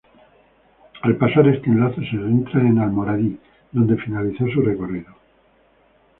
Al pasar este enlace se adentra en Almoradí donde finaliza su recorrido.